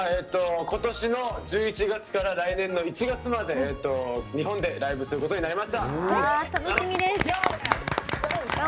ことしの１１月から来年の１月まで日本でライブすることになりました。